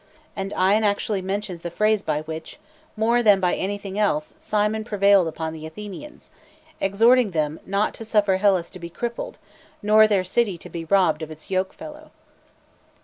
And Ion. actually mentions. the phrase by which, more than by anything else, Cimon prevailed upon the Athenians, exhorting them "not to suffer Hellas to be crippled, nor their city to be robbed of its yoke fellow.